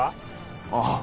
ああ。